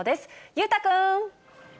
裕太君。